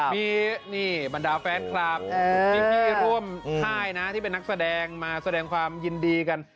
มีนี่บรรดาแฟนคลับพี่ร่วมค่ายนะที่เป็นนักแสดงมาแสดงความยินดีกัน